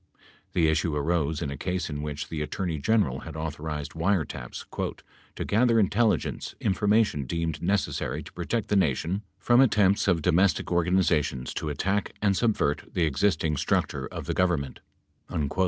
The issue arose in a case in which the Attorney General had authorized wiretaps "to gather intelligence in formation deemed necessary to protect the Nation from attempts of 105 domestic organizations to attack and subvert the existing structure of the Government."